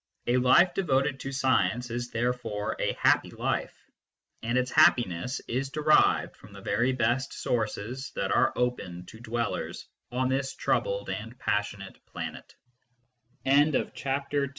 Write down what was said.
A life devoted to science is therefore a happy life, and its happiness is derived from the very best sources that are open to dwellers on this troubled and pass